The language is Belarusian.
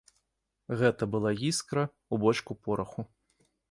Гэта была іскра ў бочку пораху.